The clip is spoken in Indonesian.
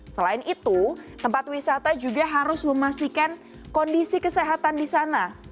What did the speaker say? selain itu tempat wisata juga harus memastikan kondisi kesehatan di sana